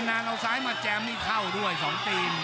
นานเอาซ้ายมาแจมนี่เข้าด้วย๒ทีม